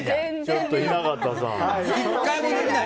ちょっと雛形さん。